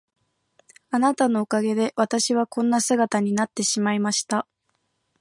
あなたのおかげで私はこんな姿になってしまいました。